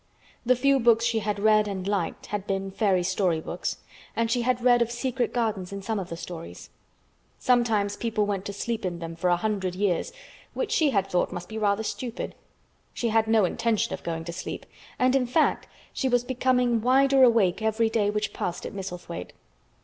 The few books she had read and liked had been fairy story books, and she had read of secret gardens in some of the stories. Sometimes people went to sleep in them for a hundred years, which she had thought must be rather stupid. She had no intention of going to sleep, and, in fact, she was becoming wider awake every day which passed at Misselthwaite.